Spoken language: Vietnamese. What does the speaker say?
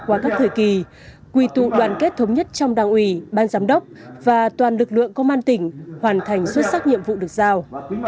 cùng đảng ủy ban giám đốc công an tỉnh xây dựng lực sở trường kinh nghiệm công tác